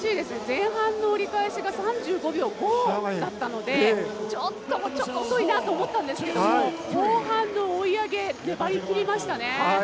前半の折り返しが３５秒５だったのでちょっと遅いなと思ったんですけども後半の追い上げ粘りきりましたね。